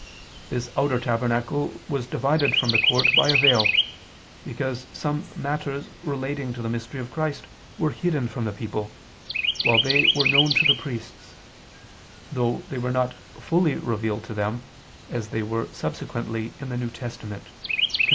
This outer tabernacle was divided from the court by a veil; because some matters relating to the mystery of Christ were hidden from the people, while they were known to the priests: though they were not fully revealed to them, as they were subsequently in the New Testament (cf.